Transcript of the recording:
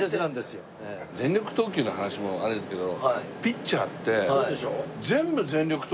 全力投球の話もあれだけど。